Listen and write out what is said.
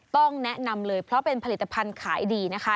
ต้องแนะนำเลยเพราะเป็นผลิตภัณฑ์ขายดีนะคะ